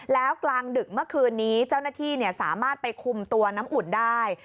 แล้วกลางดึกเมื่อคืนนี้เจ้าหน้าที่สามารถไปคุมตัวน้ำอุ่นได้